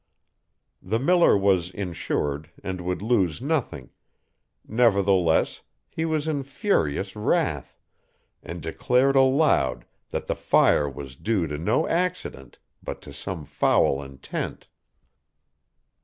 The miller was insured, and would lose nothing: nevertheless, he was in furious wrath, and declared aloud that the fire was due to no accident, but to some foul intent.